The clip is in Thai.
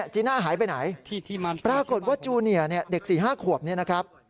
จีน่าหายไปไหนปรากฏว่าจูเนียเนี่ยเด็ก๔๕ขวบเนี่ยนะครับ